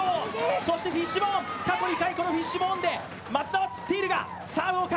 そしてフィッシュボーン、過去２回このフィッシュボーンで松田は散っているが、さあどうか。